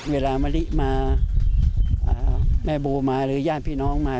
มะลิมาแม่โบมาหรือญาติพี่น้องมา